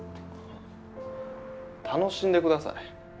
「楽しんで下さい」？